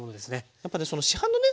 やっぱね市販のね